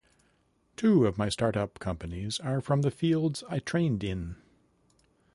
Two of my start-up companies are from the fields I trained in.